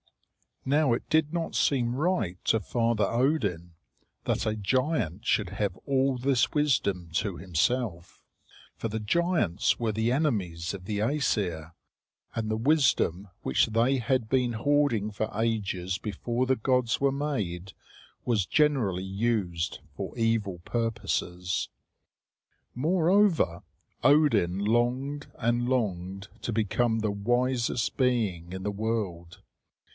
Now it did not seem right to Father Odin that a giant should have all this wisdom to himself; for the giants were the enemies of the Æsir, and the wisdom which they had been hoarding for ages before the gods were made was generally used for evil purposes. Moreover, Odin longed and longed to become the wisest being in the world.